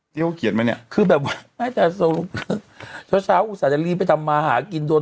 เตี้ยวเกียรติไหมเนี่ยคือแบบไม่แต่สรุปช้าอุตส่าห์จะรีบไปทำมาหากิน